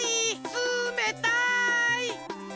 つめたい！